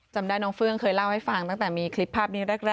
จำได้น้องเฟื่องเคยเล่าให้ฟังตั้งแต่มีคลิปภาพนี้แรก